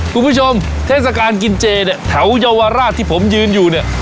เทศกาลกินเจเนี่ยแถวเยาวราชที่ผมยืนอยู่เนี่ย